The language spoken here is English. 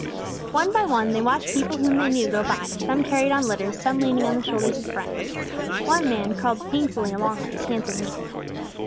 One by one they watched people whom they knew go by, some carried on litters, some leaning on the shoulders of friends. One man crawled painfully along on his hands and knees.